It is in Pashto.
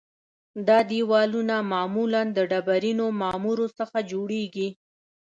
دا دیوالونه معمولاً د ډبرینو معمورو څخه جوړیږي